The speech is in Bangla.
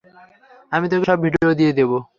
আমি তোকে সব ভিডিও দিয়ে দেব।